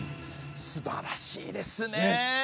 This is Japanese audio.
すばらしいですね！